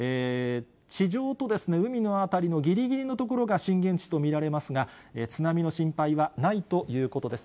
地上と海の辺りのぎりぎりの所が震源地と見られますが、津波の心配はないということです。